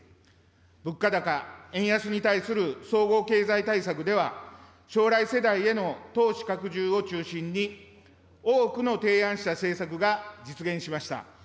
物価高、円安に対する総合経済対策では、将来世代への投資拡充を中心に、多くの提案した政策が実現しました。